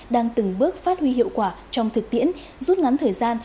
đang từng bước phát huy hiệu quả trong thực tiễn rút ngắn thời gian